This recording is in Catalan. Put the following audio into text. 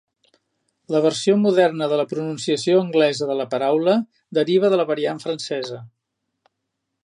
La versió moderna de la pronunciació anglesa de la paraula deriva de la variant francesa.